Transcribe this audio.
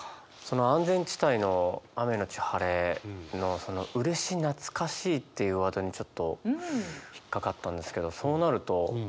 安全地帯の「雨のち晴れ」のその「嬉し懐かしい」っていうワードにちょっと引っかかったんですけどそうなると例えば。